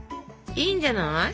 いいんじゃない？